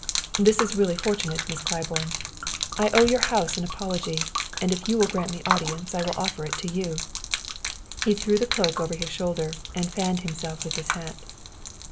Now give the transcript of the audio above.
"This is really fortunate, Miss Claiborne. I owe your house an apology, and if you will grant me audience I will offer it to you." He threw the cloak over his shoulder and fanned himself with his hat.